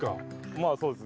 まあそうですね。